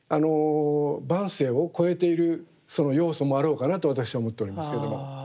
「万声」を超えているその要素もあろうかなと私は思っておりますけども。